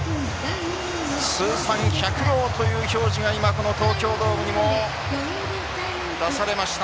通算１００号という表示が今この東京ドームに出されました。